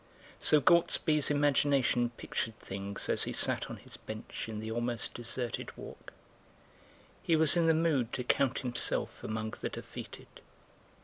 So Gortsby's imagination pictured things as he sat on his bench in the almost deserted walk. He was in the mood to count himself among the defeated.